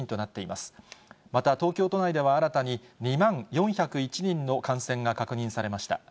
また、東京都内では新たに２万４０１人の感染が確認されました。